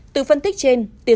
từ phân tích trên